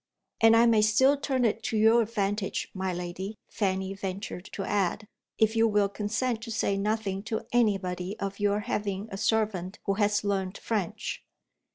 "And I may still turn it to your advantage, my lady," Fanny ventured to add, "if you will consent to say nothing to anybody of your having a servant who has learnt French."